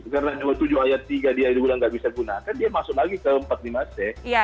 karena dua puluh tujuh ayat tiga dia juga tidak bisa digunakan dia masuk lagi ke empat puluh lima c